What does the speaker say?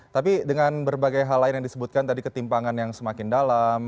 tapi dengan berbagai hal lain yang disebutkan tadi ketimpangan yang semakin dalam